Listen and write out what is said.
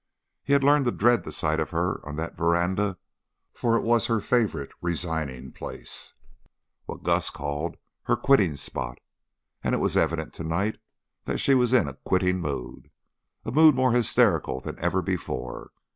He had learned to dread the sight of her on that veranda, for it was her favorite resigning place what Gus called her "quitting spot," and it was evident to night that she was in a quitting mood, a mood more hysterical than ever before.